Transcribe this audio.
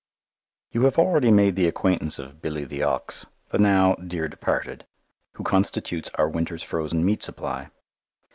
You have already made the acquaintance of Billy the Ox, the now dear departed, who constitutes our winter's frozen meat supply.